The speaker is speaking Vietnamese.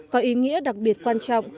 có ý nghĩa đặc biệt quan trọng